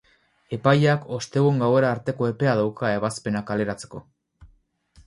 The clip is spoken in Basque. Epaileak ostegun gauera arteko epea dauka ebazpena kaleratzeko.